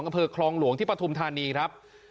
อเภอคลองหลวงที่ประทุมธนีย์ครับ